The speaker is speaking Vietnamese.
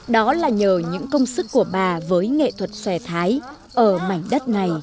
đó là nhờ những công sức của bà với nghệ thuật xòe thái ở mảnh đất này